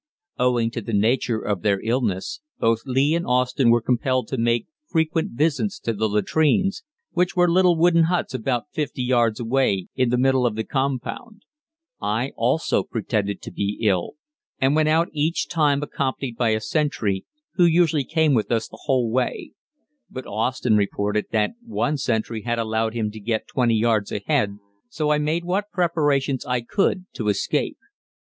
Owing to the nature of their illness, both Lee and Austin were compelled to make frequent visits to the latrines, which were little wooden huts about 50 yards away in the middle of the compound. I also pretended to be ill, and went out each time accompanied by a sentry, who usually came with us the whole way; but Austin reported that one sentry had allowed him to get 20 yards ahead, so I made what preparations I could to escape.